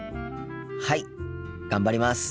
はい頑張ります。